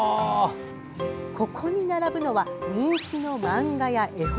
ここに並ぶのは人気の漫画や、絵本。